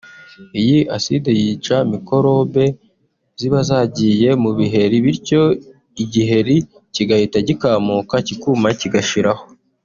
iyi acide yica mikorobe ziba zagiye mu biheri bityo igiheri kigahita gikamuka kikuma kigashiraho